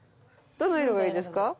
どの色がいいですか？